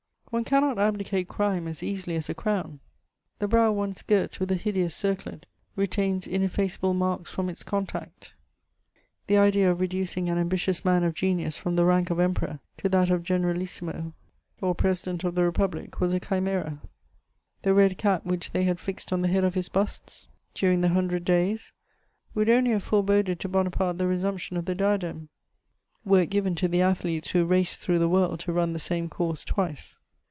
One cannot abdicate crime as easily as a crown: the brow once girt with the hideous circlet retains ineffaceable marks from its contact. The idea of reducing an ambitious man of genius from the rank of Emperor to that of Generalissimo or President of the Republic was a chimera: the red cap which they had fixed on the head of his busts during the Hundred Days would only have foreboded to Bonaparte the resumption of the diadem, were it given to the athletes who race through the world to run the same course twice.